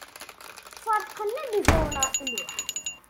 Ferqen am ibawen ɣef luḥ.